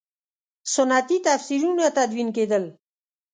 سنتي تفسیرونه تدوین کېدل.